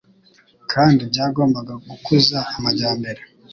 kandi byagombaga gukuza amajyambere,